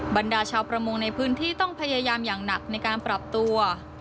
บรรดาชาวประมงในพื้นที่ต้องพยายามอย่างหนักในการปรับตัว